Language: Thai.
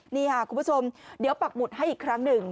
นี่ค่ะคุณผู้ชมเดี๋ยวปักหมุดให้อีกครั้งหนึ่ง